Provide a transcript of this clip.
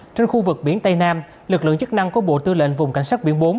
trên khu vực biển tây nam lực lượng chức năng của bộ tư lệnh vùng cảnh sát biển bốn